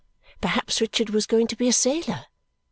Perhaps Richard was going to be a sailor.